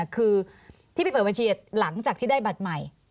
คือที่ไปเปิดบัญชีหลังจากที่ได้บัตรใหม่